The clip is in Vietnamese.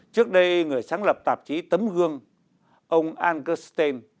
trước đây người sáng lập tạp chí tấm gương ông angus stein